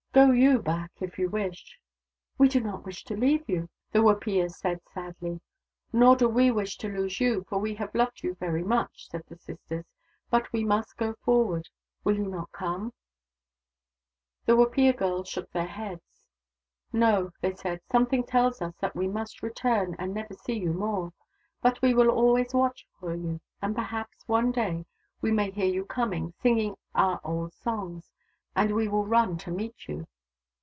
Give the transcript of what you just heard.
" Go you back, if you wish." " We do not wish to leave you," the Wapiya said sadly. " Nor do we wish to lose you, for we have loved you very much," said the sisters. " But we must go forward. Will you not come ?" The Wapiya girls shook their heads. " No," they said. " Something tells us that we must return, and never see you more. But we will always watch for you, and perhaps some day we may THE DAUGHTERS OF WONKAWALA 183 hear you coming, singing our old songs, and we will run to meet you."